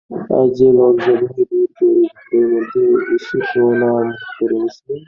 আজ সে লজ্জাভয় দূর করে ঘরের মধ্যে এসে প্রণাম করে বসল।